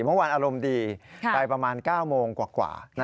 เมื่อวานอารมณ์ดีไปประมาณ๙โมงกว่า